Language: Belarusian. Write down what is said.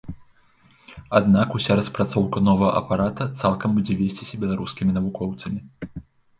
Аднак уся распрацоўка новага апарата цалкам будзе весціся беларускімі навукоўцамі.